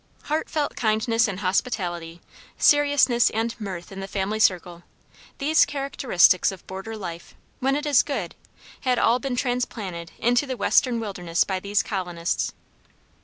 Heartfelt kindness and hospitality, seriousness and mirth in the family circle, these characteristics of border life, when it is good, had all been transplanted into the western wilderness by these colonists.